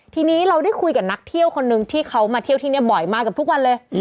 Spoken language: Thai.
ทีนี้เราได้คุยกับนักเที่ยวคนนึงที่เขามาเที่ยวที่นี่บ่อยมากับทุกวันเลย